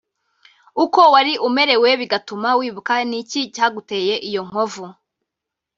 uko wari umerewe bigatuma wibuka ni iki cyaguteye iyo nkovu